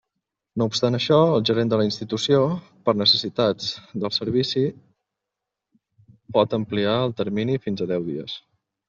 No obstant això, el gerent de la institució, per necessitats del servici, pot ampliar el termini fins a deu dies.